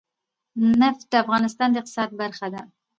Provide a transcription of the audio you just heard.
نفت د افغانستان د اقتصاد برخه ده.